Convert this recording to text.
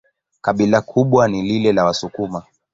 Kabila kubwa ni lile la Wasukuma.